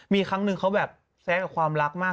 มีครั้งหนึ่งเขาแบบแซะกับความรักมาก